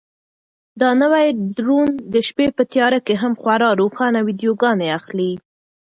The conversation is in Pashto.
دا نوی ډرون د شپې په تیاره کې هم خورا روښانه ویډیوګانې اخلي.